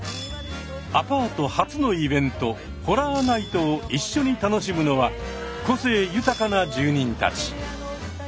アパート初のイベントホラーナイトを一緒に楽しむのは個性豊かな住人たち。